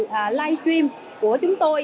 ví dụ như live stream của chúng tôi